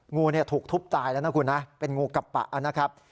งูเนี่ยถูกทุบตายแล้วนะคุณนะเป็นงูกับปะนะครับ